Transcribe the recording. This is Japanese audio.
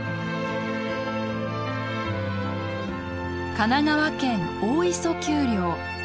神奈川県大磯丘陵。